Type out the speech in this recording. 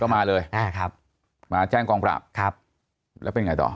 มาเลยอ่าครับมาแจ้งกองปราบครับแล้วเป็นไงต่อ